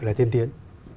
là tiên tiến